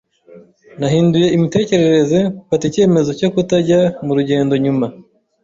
Nahinduye imitekerereze mfata icyemezo cyo kutajya murugendo nyuma.